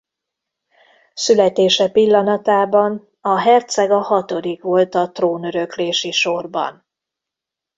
Születése pillanatában a herceg a hatodik volt a trónöröklési sorban.